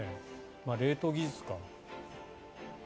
冷凍技術か。